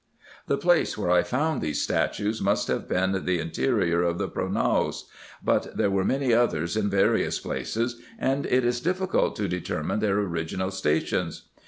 The place where I found these statues must have been the in terior of the pronaos ; but there were many others in various places, and it is difficult to determine their original stations.